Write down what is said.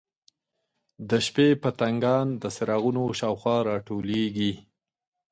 د شپې پتنګان د څراغونو شاوخوا راټولیږي.